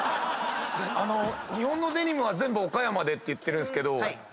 日本のデニムは全部岡山でって言ってるんすけど。